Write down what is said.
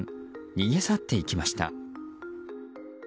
逃げ去っていきました。